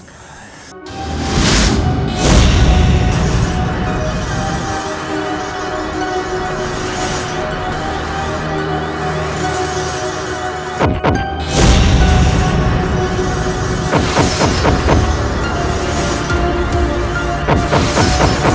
kau berhasil gandhi